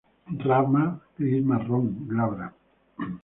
Ramas gris-marrón, glabra.